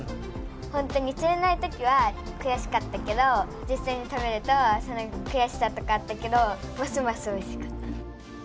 ほんとに釣れないときはくやしかったけどじっさいに食べるとそのくやしさとかあったけどますますおいしかった。